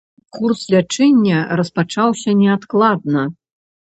Курс лячэння распачаўся неадкладна.